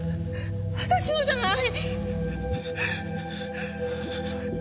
私のじゃない！